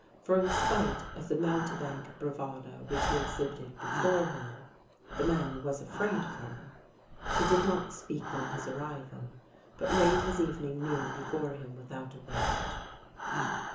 For in spite of the mountebank bravado which he exhibited before her, the man was afraid of her. She did not speak on his arrival, but laid his evening meal before him without a word.